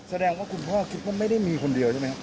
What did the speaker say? แสดงว่าคุณพ่อคิดว่าไม่ได้มีคนเดียวใช่ไหมครับ